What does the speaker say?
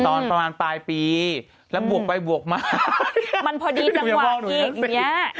ตอนประมาณปลายปีแล้วบวกไปบวกมามันพอดีจังหวะอีกอย่างนี้